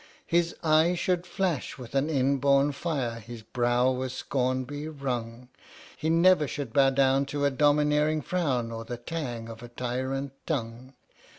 His eyes should flash with an inborn fire, His brow with scorn be wrung ; He never should bow down to a domineering frown Or the tang of a tyrant tongue.